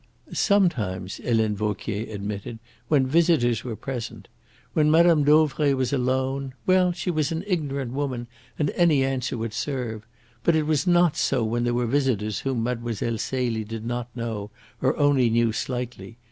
"Sometimes," Helene Vauquier admitted, "when visitors were present. When Mme. Dauvray was alone well, she was an ignorant woman, and any answer would serve. But it was not so when there were visitors whom Mlle. Celie did not know, or only knew slightly.